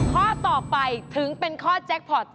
ข้อต่อไปถึงเป็นข้อแจ็คพอร์ต